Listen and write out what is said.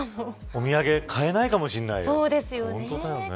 お土産買えないかもしれない。